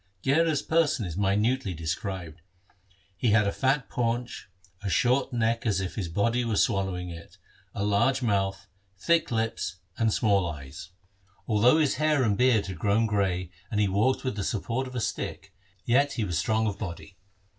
Gherar's person is minutely described. He had a fat paunch, a short neck as if his body was swallow ing it, a large mouth, thick lips, and small eyes. LIFE OF GURU HAR GOBIND 103 Although his hair and beard had grown grey and he walked with the support of a stick, yet he was strong of body.